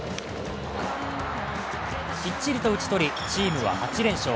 きっちりと打ち取りチームは８連勝。